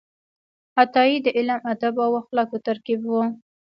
عطايي د علم، ادب او اخلاقو ترکیب و.